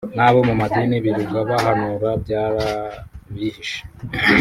n’aba bo mumadini birirwa bahanura byarabihishe